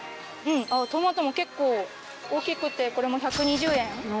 トマトも結構大きくてこれも１２０円。